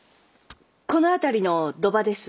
この辺りの賭場です。